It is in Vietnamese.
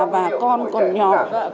và con còn nhỏ